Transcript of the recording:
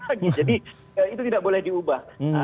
jadi itu tidak boleh diubah